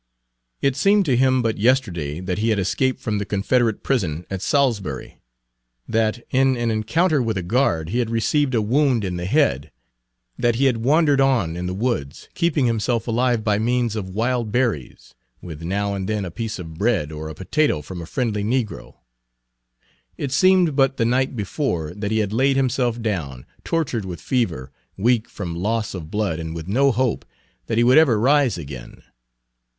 It seemed to him but yesterday that he had escaped from the Confederate prison at Salisbury; that in an encounter with a guard he had received a wound in the head; that he had wandered on in the woods, keeping himself alive by means of wild berries, with now and then a piece of bread or a potato from a friendly negro. It seemed but the night before that he had laid himself down, tortured with fever, weak from loss of blood, and with no hope that he would ever rise again.